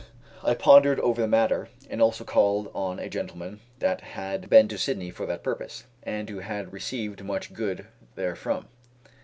I pondered over the matter, and also called on a gentleman that had been to Sydney for that purpose, and who had received much good therefrom.